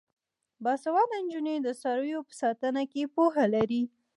باسواده نجونې د څارویو په ساتنه کې پوهه لري.